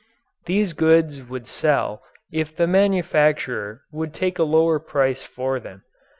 These goods would sell if the manufacturer would take a lower price for them.